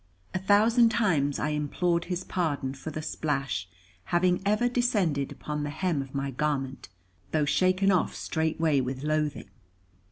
A thousand times I implored his pardon for the splash having ever descended upon the hem of my garment, though shaken off straight way with loathing.